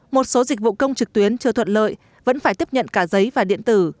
một số dịch vụ công trực tuyến chưa thuận lợi vẫn phải tiếp nhận cả giấy và điện tử